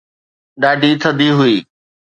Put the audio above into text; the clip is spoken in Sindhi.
ڏاڍي ٿڌي هئي